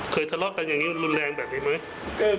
ทะเลาะกันอย่างนี้รุนแรงแบบนี้ไหม